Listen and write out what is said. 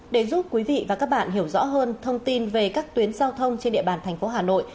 để giúp quý vị và các bạn hiểu rõ hơn thông tin về các tuyến giao thông trên địa bàn thành phố hà nội